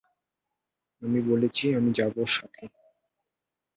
আমি বলেছি আমি যাব সাথে!